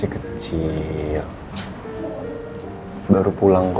itu masih lama pak